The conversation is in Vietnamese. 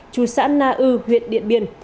trù sãn na ư huyện điện biên